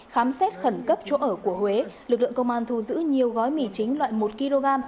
khám xét khẩn cấp chỗ ở của huế lực lượng công an thu giữ nhiều gói mì chính loại một kg